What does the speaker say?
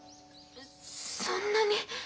そんなに。